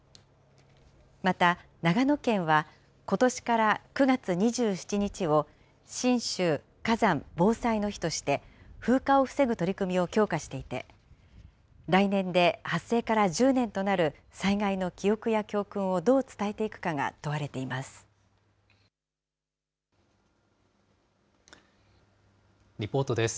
また長野県は、ことしから９月２７日を、信州火山防災の日として、風化を防ぐ取り組みを強化していて、来年で発生から１０年となる災害の記憶や教訓をどう伝えリポートです。